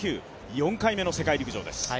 ４回目の世界陸上です